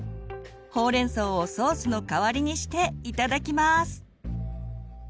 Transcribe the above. ほうれんそうをソースの代わりにしていただきます。